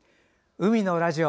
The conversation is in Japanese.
「海のラジオ」